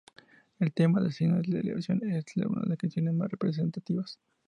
El tema ""El asesino de la ilusión"" es una las canciones más representativas.